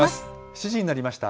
７時になりました。